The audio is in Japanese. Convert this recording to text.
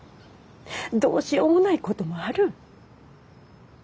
どうしようもないこともある。